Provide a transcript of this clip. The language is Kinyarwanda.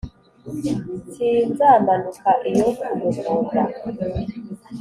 sinzamanuka iyo ku muvumba